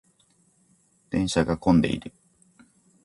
電車が混んでいる。